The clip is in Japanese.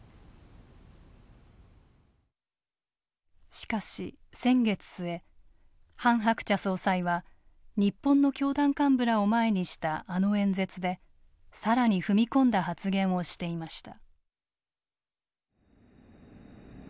しかし先月末ハン・ハクチャ総裁は日本の教団幹部らを前にしたあの演説でさらに踏み込んだ発言をしていました。